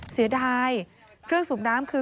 เสียดายเครื่องสูบน้ำคือ